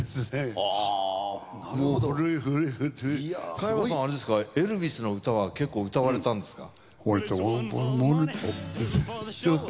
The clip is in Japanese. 加山さんはあれですかエルヴィスの歌は結構うたわれたんですか？